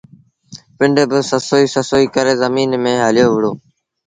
پنڊ با سسئيٚ سسئيٚ ڪري زميݩ ميݩ هليو وُهڙو۔